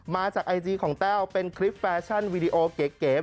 มาจากไอจีของแต้วเป็นคลิปแฟชั่นวีดีโอเก๋